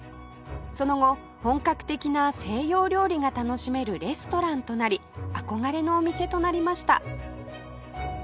その後本格的な西洋料理が楽しめるレストランとなり憧れのお店となりました